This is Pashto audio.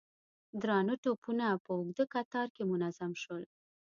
درانه توپونه په اوږده کتار کې منظم شول.